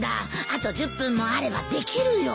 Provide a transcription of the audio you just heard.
あと１０分もあればできるよ。